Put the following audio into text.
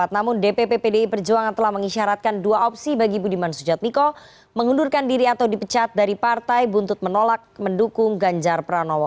namun dpp pdi perjuangan telah mengisyaratkan dua opsi bagi budiman sujadmiko mengundurkan diri atau dipecat dari partai buntut menolak mendukung ganjar pranowo